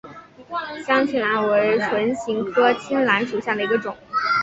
香青兰为唇形科青兰属下的一个种。